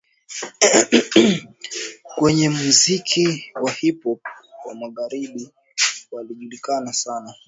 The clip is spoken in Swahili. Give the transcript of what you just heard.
kwenye muziki wa hip hop wa kimagharibi Walijulikana sana